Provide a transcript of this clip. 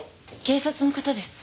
警察の方です。